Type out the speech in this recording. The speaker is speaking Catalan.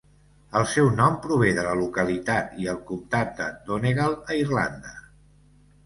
El seu nom prové de la localitat i el comtat de Donegal a Irlanda.